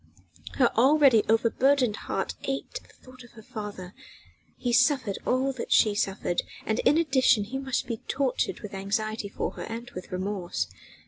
Her already overburdened heart ached at thought of her father: he suffered all that she suffered, and in addition he must be tortured with anxiety for her and with remorse.